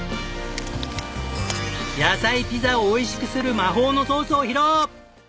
野菜ピザをおいしくする魔法のソースを披露。